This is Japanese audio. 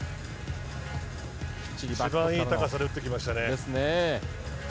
一番いい高さで打ってきましたね。